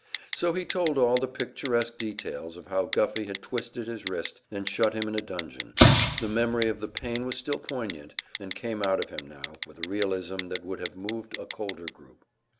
So he told all the picturesque details of how Guffey had twisted his wrist and shut him in a dungeon; the memory of the pain was still poignant, and came out of him now, with a realism that would have moved a colder group.